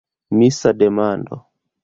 Misa demando.